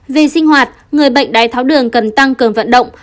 về sinh hoạt người bệnh đài tháo đường cần tăng cường vận động